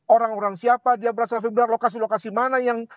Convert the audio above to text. orang orang siapa dia berasal lokasi lokasi mana yang